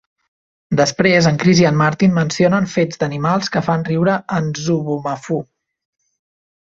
Després, en Chris i en Martin mencionen fets d'animals que fan riure en Zoboomafoo.